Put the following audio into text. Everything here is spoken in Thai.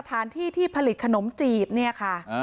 ที่ผลิตขนมจีบเนี่ยค่ะ